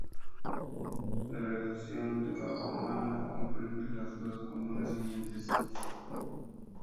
La sección de Bajo Mana comprende las dos comunas siguientes